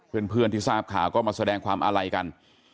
เพื่อนที่ทราบข่าวก็มาแสดงความอาลัยกัน